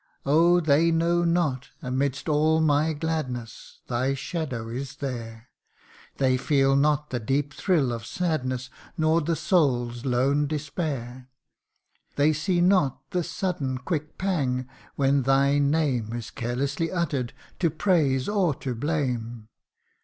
Oh, they know not, amidst all my gladness, Thy shadow is there : 84 THE UNDYING ONE. They feel not the deep thrill of sadness, Nor the soul's lone despair. They see not the sudden quick pang, when thy name Is carelessly utter'd, to praise or to blame